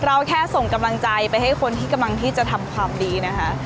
เราแค่ส่งกำลังใจไปให้คนที่กำลังที่จะทำความดีนะคะ